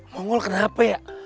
mongol kenapa ya